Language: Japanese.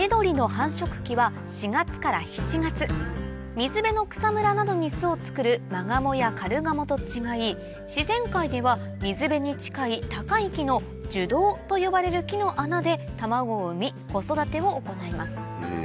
水辺の草むらなどに巣を作るマガモやカルガモと違い自然界では水辺に近い高い木の樹洞と呼ばれる木の穴で卵を産み子育てを行います